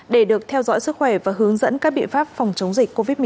để được theo dõi sức khỏe và hướng dẫn các biện pháp phòng chống dịch covid một mươi chín